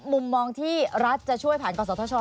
มุมมองที่รัฐจะช่วยผ่านกศธช